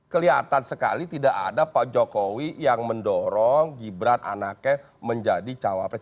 kelihatan sekali tidak ada pak jokowi yang mendorong gibran anaknya menjadi cawapres